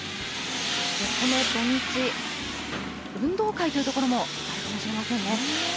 そしてこの土日、運動会というところもあるかもしれませんね。